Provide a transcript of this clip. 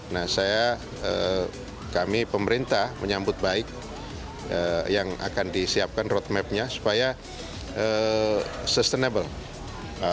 nah kami pemerintah menyambut baik yang akan disiapkan road mapnya supaya sustainable